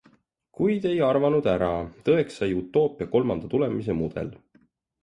Kuid ei arvanud ära, tõeks sai utoopia kolmanda tulemise mudel.